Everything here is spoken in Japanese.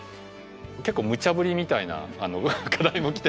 結構むちゃぶりみたいな課題も来て